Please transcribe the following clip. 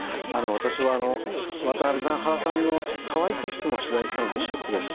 私は、渡辺さん、原さんのハワイ挙式も取材したので、ショックです。